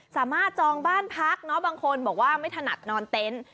จองบ้านพักเนาะบางคนบอกว่าไม่ถนัดนอนเต็นต์